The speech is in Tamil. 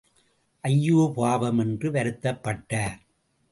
ஐயோபாவம் என்று வருத்தப்பட்டார்.